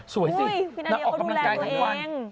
สวยสิน้องนาเดียก็ดูแลตัวเอง